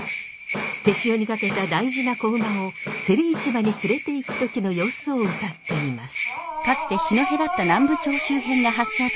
手塩にかけた大事な仔馬を競り市場に連れていく時の様子を歌っています。